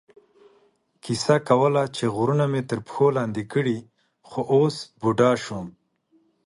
کیسه کوله چې غرونه مې تر پښو لاندې کړي، خو اوس بوډا شوم.